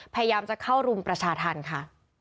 พยายามจะเข้ารุมประชาธรรมค่ะ